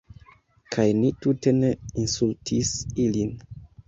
Kaj ni tute ne insultis ilin.